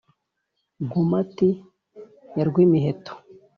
nkomati ya rwimiheto,